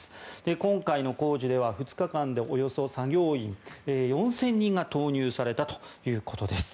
今回の工事では２日間でおよそ作業員４０００人が投入されたということです。